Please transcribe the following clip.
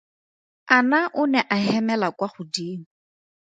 Anna o ne a hemela kwa godimo.